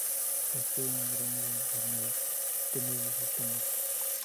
Construye un gran nido desordenado suspendido de hojas de palmera.